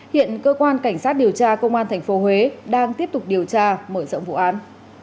hiện cơ quan cảnh sát điều tra công an tp huế đang tiếp tục điều tra mở rộng vụ án